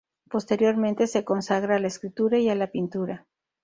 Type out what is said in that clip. Posteriormente se consagra a la escritura y a la pintura.